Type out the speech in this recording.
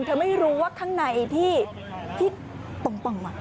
เธอไม่รู้ว่าข้างในไอ้ที่ที่ปังว่ะ